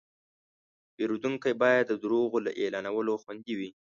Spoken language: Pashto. پیرودونکی باید د دروغو له اعلانونو خوندي وي.